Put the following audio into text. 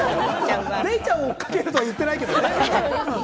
デイちゃんを追っかけるとは言っていないけどね。